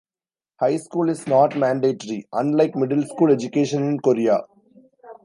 High school is not mandatory, unlike middle school education in Korea.